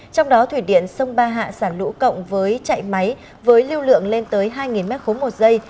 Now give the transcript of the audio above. trong đó thủy điện sông ba hạ xả lũ cộng với chạy máy với lưu lượng lên tới hai m ba một giây